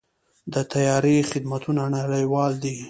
د طیارې خدمتونه نړیوال دي.